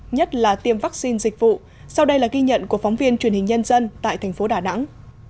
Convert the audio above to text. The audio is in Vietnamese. nhất là tiêm vaccine dịch vụ sau đây là ghi nhận của phóng viên truyền hình nhân dân tại thành phố đà nẵng